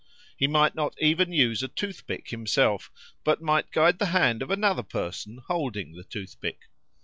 He might not even use a toothpick himself, but might guide the hand of another person holding the toothpick.